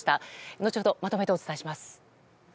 後ほど、まとめてお伝えします。